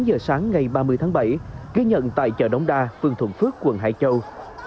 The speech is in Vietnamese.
tám h sáng ngày ba mươi tháng bảy ghi nhận tại chợ đống đa phương thuận phước quận hải châu